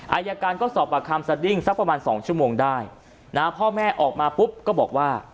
อายการก็สอบปากคำสดิ้งสักประมาณสองชั่วโมงได้นะฮะพ่อแม่ออกมาปุ๊บก็บอกว่า